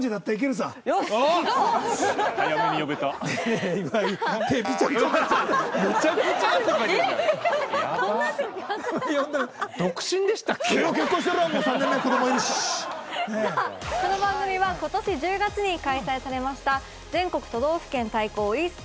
さあこの番組は今年１０月に開催されました全国都道府県対抗ｅスポーツ選手権２０２２